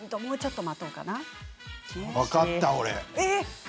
分かった俺。